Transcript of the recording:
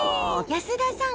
安田さん